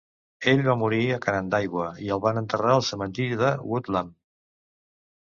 Ell va morir a Canandaigua i el van enterrar al cementiri de Woodlawn.